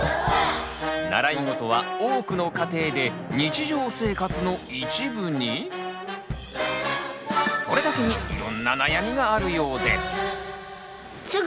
習い事は多くの家庭で日常生活の一部に⁉それだけにいろんな悩みがあるようで。